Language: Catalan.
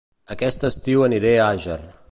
Aquest estiu aniré a Àger